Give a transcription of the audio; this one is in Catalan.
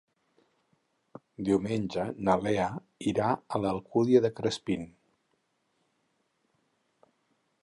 Diumenge na Lea irà a l'Alcúdia de Crespins.